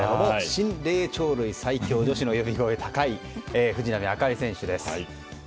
新霊長類最強女子の呼び声高い藤波朱理選手です。